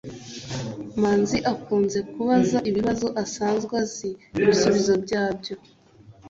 manzi akunze kubaza ibibazo asanzwe azi ibisubizo byabyo